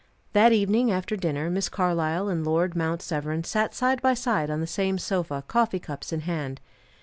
That evening after dinner, Miss Carlyle and Lord Mount Severn sat side by side on the same sofa, coffee cups in hand.